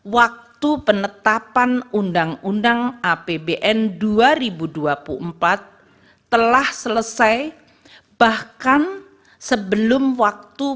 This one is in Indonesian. waktu penetapan undang undang apbn dua ribu dua puluh empat telah selesai bahkan sebelum waktu